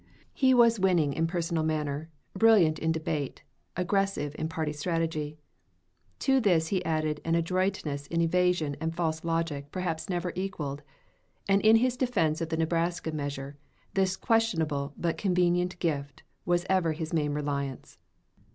He was winning in personal manner, brilliant in debate, aggressive in party strategy. To this he added an adroitness in evasion and false logic perhaps never equaled, and in his defense of the Nebraska measure this questionable but convenient gift was ever his main reliance.